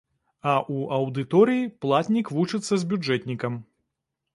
А ў аўдыторыі платнік вучыцца з бюджэтнікам.